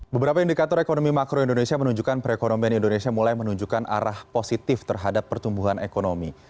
beberapa indikator ekonomi makro indonesia menunjukkan perekonomian indonesia mulai menunjukkan arah positif terhadap pertumbuhan ekonomi